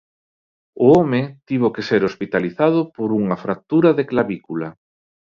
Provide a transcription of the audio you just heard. O home tivo que ser hospitalizado por unha fractura de clavícula.